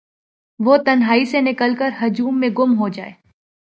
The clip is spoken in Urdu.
وہ تنہائی سے نکل کرہجوم میں گم ہوجائے